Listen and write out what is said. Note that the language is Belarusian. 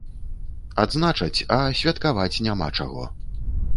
Адзначаць, а святкаваць няма чаго.